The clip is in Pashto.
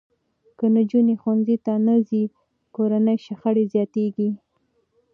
که نجونې ښوونځي ته نه ځي، کورني شخړې زیاتېږي.